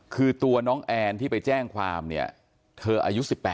คือตัวน้องแอนที่ไปแจ้งความเนี่ยเธออายุ๑๘